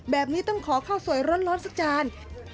แบบนี้ต้องขอข้าวสวยร้อนสักจาน